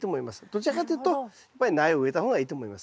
どちらかというと苗を植えた方がいいと思いますね。